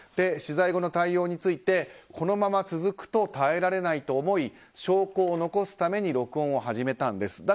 取材後の対応についてこのまま続くと耐えられないと思い証拠を残すために録音を始めたんです。